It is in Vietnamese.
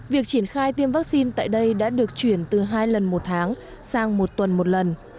việc triển khai tiêm vaccine tại đây đã được chuyển từ hai lần một tháng sang một tuần một lần